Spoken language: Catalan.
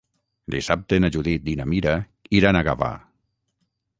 Dissabte na Judit i na Mira iran a Gavà.